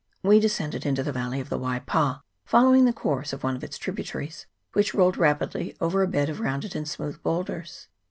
We descended into the valley of the Waipa, fol lowing the course of one of its tributaries, which rolled rapidly * over a bed of rounded and smooth boulders.